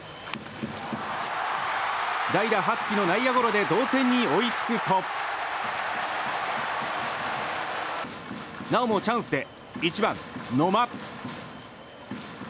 代打、羽月の内野ゴロで同点に追いつくとなおもチャンスで１番、野間。